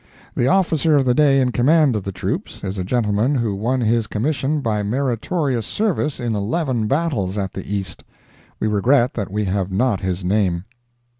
The officer of the day in command of the troops, is a gentleman who won his commission by meritorious service in eleven battles at the East. We regret that we have not his name.